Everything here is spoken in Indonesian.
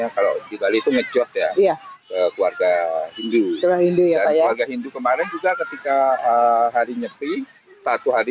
kalau di bali itu ngejot ya keluarga hindu dan keluarga hindu kemarin juga ketika hari nyepi satu hari